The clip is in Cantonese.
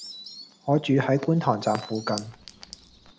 我住喺觀塘站附近